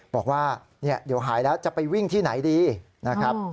บอกว่าเดี๋ยวหายแล้วจะไปวิ่งที่ไหนดีนะครับ